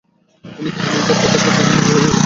তিনি খাদিজার প্রত্যাশার দ্বিগুণ মুনাফা ফিরিয়ে এনেছিলেন।